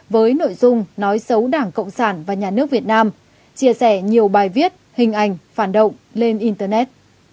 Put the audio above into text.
với nội dung nói xấu đảng cộng sản và nhà nước việt nam chia sẻ nhiều bài viết hình ảnh phản động lên internet